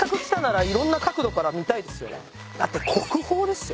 だって国宝ですよ